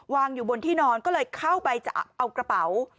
อยู่บนที่นอนก็เลยเข้าไปจะเอากระเป๋า